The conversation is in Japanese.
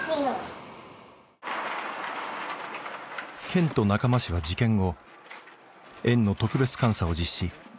県と中間市は事件後園の特別監査を実施。